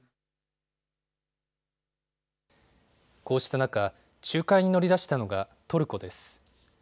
こうした中、仲介に乗り出したのがトルコです。